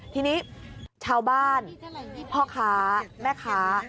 ทีนี้ชาวบ้านพ่อค้าแม่ค้า